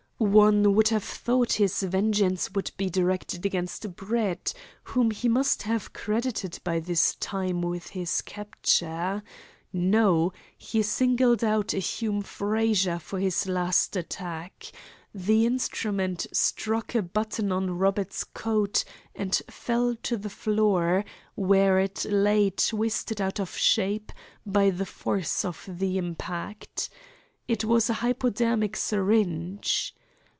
One would have thought his vengeance would be directed against Brett, whom he must have credited by this time with his capture. No; he singled out a Hume Frazer for his last attack. The instrument struck a button on Robert's coat and fell to the floor, where it lay twisted out of shape by the force of the impact. It was a hypodermic syringe.